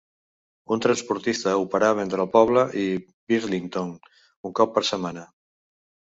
Un transportista operava entre el poble i Bridlington un cop per setmana.